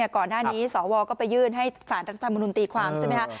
ก่อนหน้านี้สวก็ไปยื่นให้สารรัฐธรรมนุนตีความใช่ไหมคะ